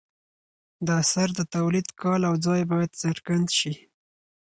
د اثر د تولید کال او ځای باید څرګند شي.